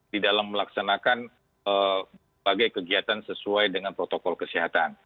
di dalam melaksanakan bagai kegiatan sesuai dengan protokol kesehatan